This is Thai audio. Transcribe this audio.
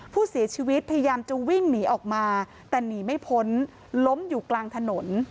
ผู้เสียชีวิตพยายามจะวิ่งหนีออกมาแต่หนีไม่พ้นล้มอยู่กลางถนน